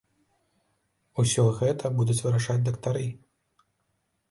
Усё гэта будуць вырашаць дактары.